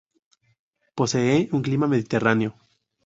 Posee un clima mediterráneo.